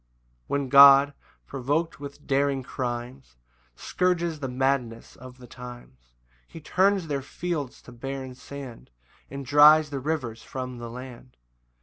1 When God, provok'd with daring crimes, Scourges the madness of the times, He turns their fields to barren sand, And dries the rivers from the land.